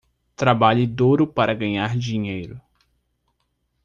Trabalhe duro para ganhar dinheiro